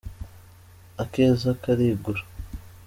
Akeza karigura.